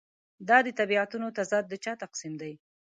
دا د طبیعتونو تضاد د چا تقسیم دی.